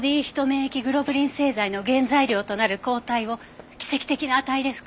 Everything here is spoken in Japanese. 免疫グロブリン製剤の原材料となる抗体を奇跡的な値で含んでいる。